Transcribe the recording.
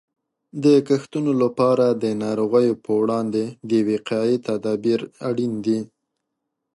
د کښتونو لپاره د ناروغیو په وړاندې د وقایې تدابیر اړین دي.